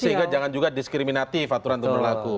sehingga jangan juga diskriminatif aturan itu berlaku